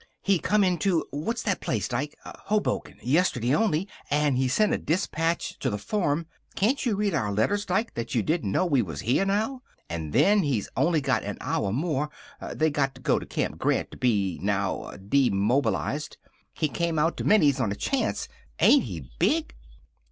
"He come in to what's that place, Dike? Hoboken yesterday only. An' he sent a dispatch to the farm. Can't you read our letters, Dike, that you didn't know we was here now? And then he's only got an hour more. They got to go to Camp Grant to be, now, demobilized. He came out to Minnie's on a chance. Ain't he big!"